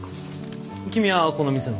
君はこの店の？